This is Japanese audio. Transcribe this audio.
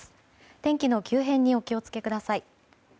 天気の急変にお気をつけください。